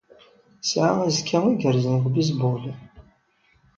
Yesɛa azekka igerrzen deg ubizbul.